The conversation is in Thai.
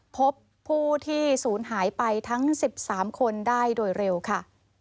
พบผู้ที่ศูนย์หายไปทั้ง๑๓คนได้โดยเร็วค่ะ